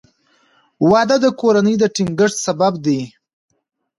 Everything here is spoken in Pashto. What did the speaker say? • واده د کورنۍ د ټینګښت سبب دی.